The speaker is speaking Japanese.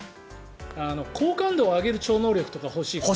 好感度を上げる超能力とか欲しいかな。